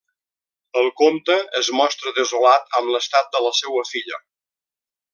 El comte es mostra desolat amb l'estat de la seua filla.